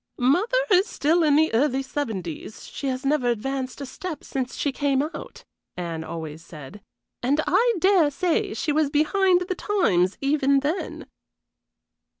"Mother is still in the early seventies; she has never advanced a step since she came out," Anne always said, "and I dare say she was behind the times even then."